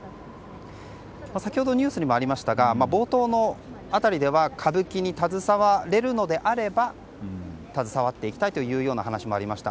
先ほどニュースにもありましたが冒頭の辺りで歌舞伎に携われるのであれば携わっていきたいという話もありました。